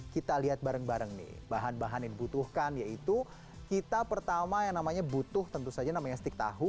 kita lihat bareng bareng nih bahan bahan yang dibutuhkan yaitu kita pertama yang namanya butuh tentu saja namanya stik tahu